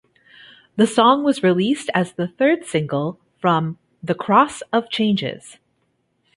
The song was released as the third single from "The Cross of Changes".